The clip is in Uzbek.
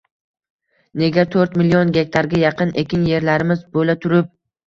Nega to'rt million gektarga yaqin ekin yerlarimiz bo‘la turib